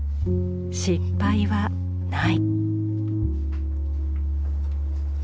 失敗はない。